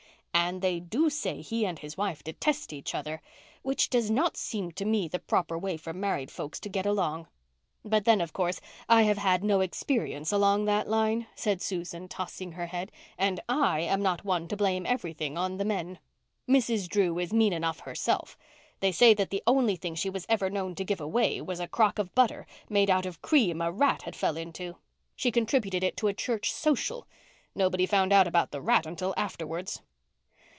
"And they do say he and his wife detest each other—which does not seem to me the proper way for married folks to get along. But then, of course, I have had no experience along that line," said Susan, tossing her head. "And I am not one to blame everything on the men. Mrs. Drew is mean enough herself. They say that the only thing she was ever known to give away was a crock of butter made out of cream a rat had fell into. She contributed it to a church social. Nobody found out about the rat until afterwards."